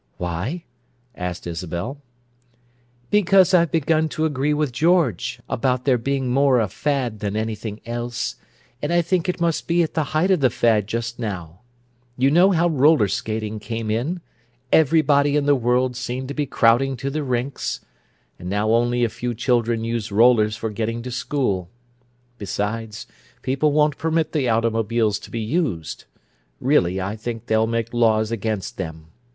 "Why?" asked Isabel. "Because I've begun to agree with George about their being more a fad than anything else, and I think it must be the height of the fad just now. You know how roller skating came in—everybody in the world seemed to be crowding to the rinks—and now only a few children use rollers for getting to school. Besides, people won't permit the automobiles to be used. Really, I think they'll make laws against them.